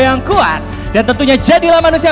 yang kuat dan tentunya jadilah manusia